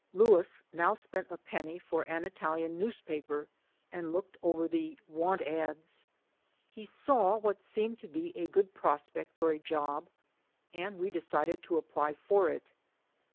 Louis now spent a penny for an Italian newspaper and looked over the "want ads." He saw what seemed to be a good prospect for a job and we decided to apply for it.